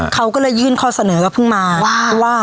เขาก็เลยยื่นข้อเสนอก็เพิ่งมาว่า